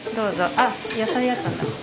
あっ野菜あったんだ。